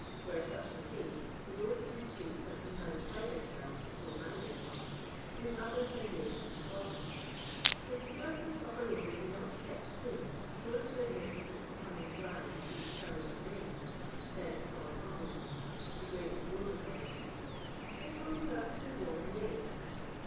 "NVore such the case, the roads and streets that we now pride ourselves so highly upon would have lh<ir foundations soddencd. "If the sur face of a road be not kept ch'an so as ti> admit of its becoming dry between showers of rain," y.wA Lord Ctuigleton, the great road authority, *• it will be rapidly worn away."